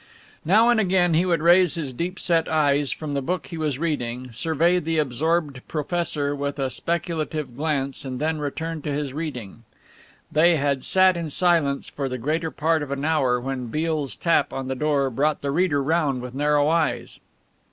Now and again he would raise his deep set eyes from the book he was reading, survey the absorbed professor with a speculative glance and then return to his reading. They had sat in silence for the greater part of an hour, when Beale's tap on the door brought the reader round with narrow eyes.